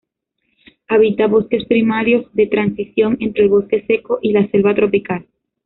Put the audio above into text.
Habita bosques primarios de transición entre el bosque seco y la selva tropical.